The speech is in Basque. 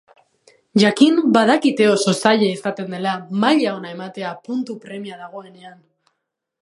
Jakin badakite oso zaila izaten dela maila ona ematea puntu premia dagoenean.